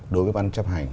đối với bán chấp hành